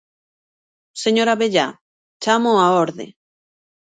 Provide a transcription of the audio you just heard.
¡Señor Abellá, chámoo á orde!